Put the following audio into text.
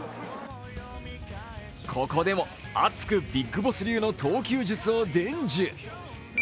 ここでも熱くビッグボス流の投球を伝授。